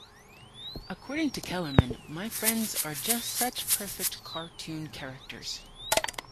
According to Kellerman, "My friends are just such perfect cartoon characters.